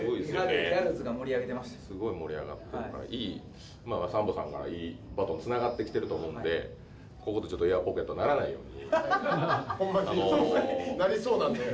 すごい盛り上がってるからサンボさんからのいいバトンつながってるのでここでエアポケットにならないように。